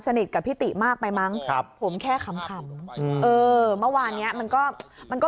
กับพี่ติมากไปมั้งครับผมแค่ขำเออเมื่อวานเนี้ยมันก็มันก็